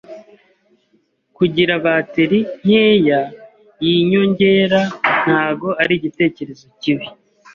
Kugira bateri nkeya yinyongera ntago ari igitekerezo kibi.